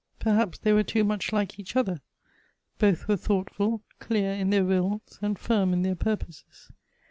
Perhaps they were too much like each other. Both were thoughtful, clear in their wills, and firm in their purposes.